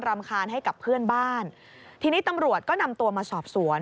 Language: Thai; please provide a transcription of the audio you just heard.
รำคาญให้กับเพื่อนบ้านทีนี้ตำรวจก็นำตัวมาสอบสวน